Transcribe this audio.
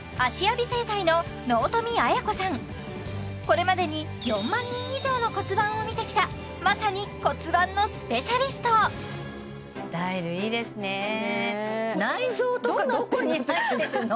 これまでに４万人以上の骨盤を見てきたまさに骨盤のスペシャリスト内臓とかどこに入ってるの？